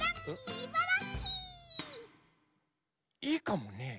いいかもね。